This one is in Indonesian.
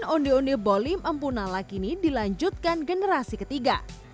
onde onde bolim empunala kini dilanjutkan generasi ketiga